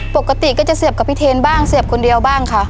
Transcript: ปกติก็จะเสียบกับพี่เทนบ้างเสียบคนเดียวบ้างค่ะ